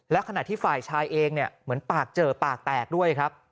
และขณะที่ฝ่ายชายเองเนี่ยเหมือนปากเจอปากแตกด้วยครับ